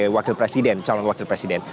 wakil presiden calon wakil presiden